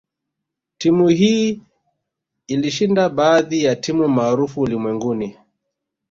Timu hii ilishinda baadhi ya timu maarufu ulimwenguni